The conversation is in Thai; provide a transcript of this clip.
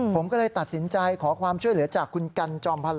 ผมก็เลยตัดสินใจขอความช่วยเหลือจากคุณกันจอมพลัง